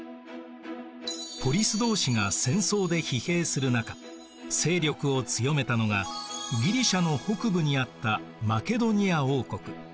ポリス同士が戦争で疲弊する中勢力を強めたのがギリシアの北部にあったマケドニア王国。